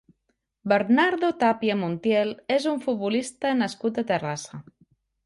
Bernardo Tapia Montiel és un futbolista nascut a Terrassa.